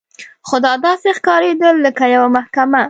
خو دا داسې ښکارېدل لکه یوه محکمه.